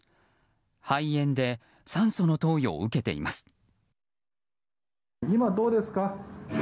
肺炎で酸素の投与を受けています。